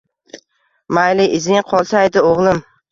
Mayli izing qolsaydi, o’g’lim